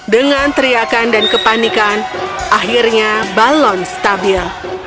dengan teriakan dan kepanikan akhirnya balon stabil